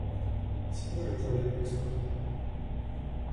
C’est quoi, le problème, avec son copain ?